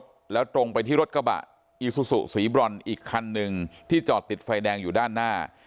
รถแล้วตรงไปที่รถกระบะอีซูซูสีบรอนอีกคันหนึ่งที่จอดติดไฟแดงอยู่ด้านหน้า